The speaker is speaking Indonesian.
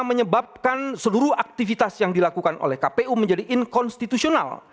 menyebabkan seluruh aktivitas yang dilakukan oleh kpu menjadi inkonstitusional